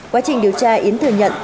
quá trình điều tra yến thừa nhận